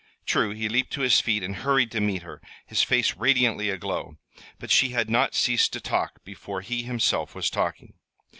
True, he leaped to his feet and hurried to meet her, his face radiantly aglow; but she had not ceased to speak before he himself was talking.